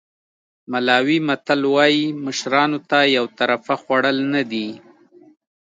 ملاوي متل وایي مشرانو ته یو طرفه خوړل نه دي.